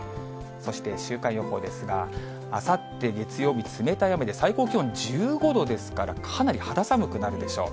そして週間予報ですが、あさって月曜日、冷たい雨で、最高気温１５度ですから、かなり肌寒くなるでしょう。